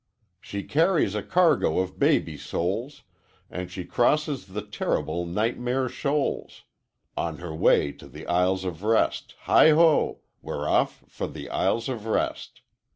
'She carries a cargo of baby souls, And she crosses the terrible nightmare shoals On her way to the Isles of Rest Heigh ho! We're off for the Isles of Rest.